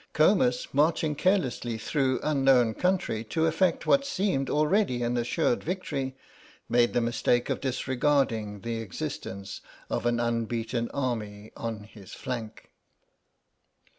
Comus, marching carelessly through unknown country to effect what seemed already an assured victory, made the mistake of disregarding the existence of an unbeaten army on his flank.